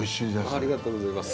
ありがとうございます。